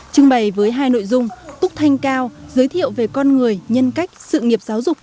trưng bày với hai nội dung túc thanh cao giới thiệu về con người nhân cách sự nghiệp giáo dục